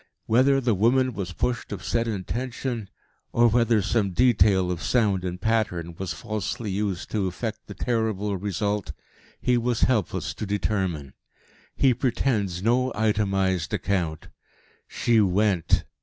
Whether the woman was pushed of set intention, or whether some detail of sound and pattern was falsely used to effect the terrible result, he was helpless to determine. He pretends no itemised account. She went.